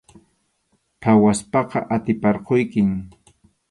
Phawaspaqa atiparquykim.